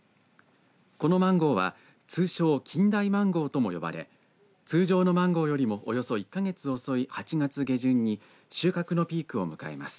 このマンゴーは通称近大マンゴーとも呼ばれ通常のマンゴーよりもおよそ１か月遅い８月下旬に収穫のピークを迎えます。